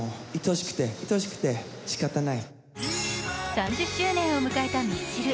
３０周年を迎えたミスチル。